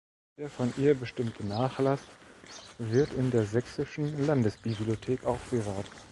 Der von ihr bestimmte Nachlass wird in der Sächsischen Landesbibliothek aufbewahrt.